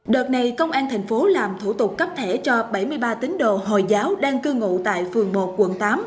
đợt này công an thành phố làm thủ tục cấp thẻ cho bảy mươi ba tín đồ hồi giáo đang cư ngụ tại phường một quận tám